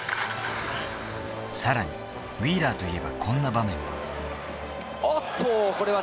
さらにウィーラーといえばこんな場面も。